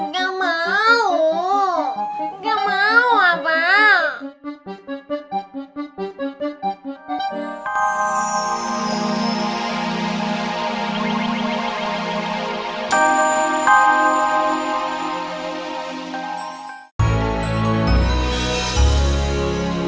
gak mau gak mau apa